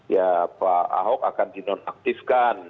ya pak ahok akan di nonaktifkan